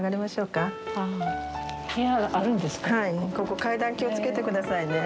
ここ階段気を付けて下さいね。